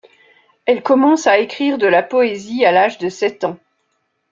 Elle commence à écrire de la poésie à l'âge de sept ans.